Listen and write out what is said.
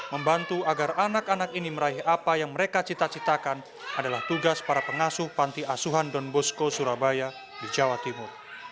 membantu agar anak anak ini meraih apa yang mereka cita citakan adalah tugas para pengasuh panti asuhan don bosco surabaya di jawa timur